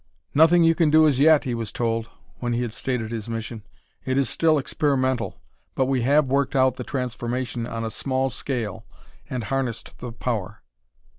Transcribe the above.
"Nothing you can do as yet," he was told, when he had stated his mission. "It is still experimental, but we have worked out the transformation on a small scale, and harnessed the power."